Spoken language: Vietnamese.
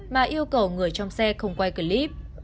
mà yêu cầu người trong xe không quay clip